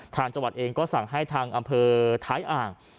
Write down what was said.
ทางจังหวัดเองก็สั่งให้ทางอำเภอท้ายอ่าง